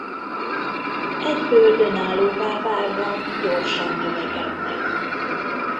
Egyből önállóvá válva gyorsan növekednek.